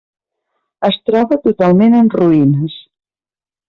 Es troba totalment en ruïnes.